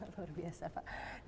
luar biasa pak